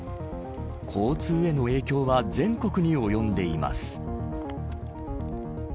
交通への影響は全国に及んでいます。